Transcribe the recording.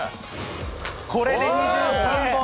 これで２３本。